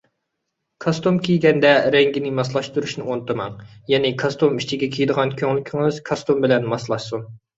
كاستۇم كىيگەندە رەڭگىنى ماسلاشتۇرۇشنى ئۇنتۇماڭ، يەنى كاستۇم ئىچىگە كىيىدىغان كۆڭلىكىڭىز كاستۇم بىلەن ماسلاشسۇن.